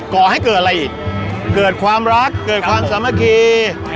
ก่อให้เกิดอะไรอีกเกิดความรักเกิดความสามัคคี